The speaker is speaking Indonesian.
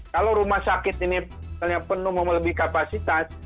kalau rumah sakit ini penuh melebihi kapasitas